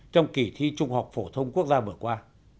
trong kỳ thi trung học phổ thông quốc gia vừa qua